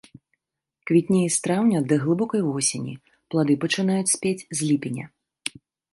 Квітнее з траўня да глыбокай восені, плады пачынаюць спець з ліпеня.